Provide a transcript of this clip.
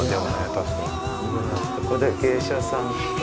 ここで芸者さん。